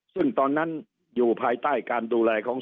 ซึ่งตอนนั้นอยู่ภายใต้การดูแลของ